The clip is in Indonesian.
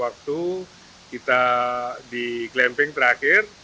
waktu kita di clamping terakhir